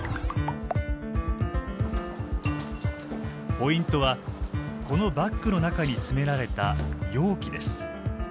ポイントはこのバッグの中に詰められた容器です。